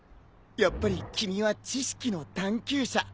やっぱり君は知識の探求者。